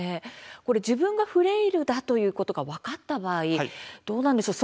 これ自分がフレイルだということが分かった場合どうなんでしょう？